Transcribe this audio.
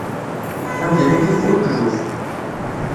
Amdan-agi d bu lekluf.